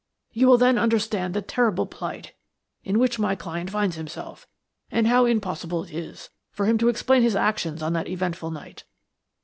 You will then understand the terrible plight in which my client finds himself, and how impossible it is for him to explain his actions on that eventful night.